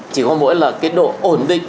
chỉ có mỗi là cái độ ổn định